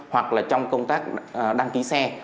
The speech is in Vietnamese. hoặc là trong công tác đăng ký xe